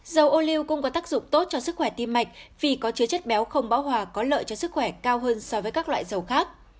dầu oleu cũng có tác dụng tốt cho sức khỏe tim mạch vì có chứa chất béo không bão hòa có lợi cho sức khỏe cao hơn so với các loại dầu khác